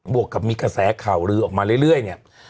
วกกับมีกระแสข่าวลือออกมาเรื่อยเนี่ย